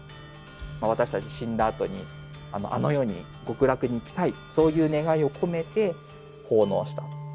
私たち死んだあとにあの世に極楽に行きたいそういう願いを込めて奉納した。